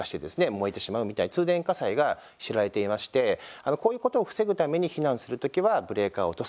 燃えてしまうみたいな通電火災が知られていましてこういうことを防ぐために避難する時はブレーカーを落とす。